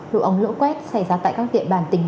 lũ ống lũ quét xảy ra tại các tiệm bàn tỉnh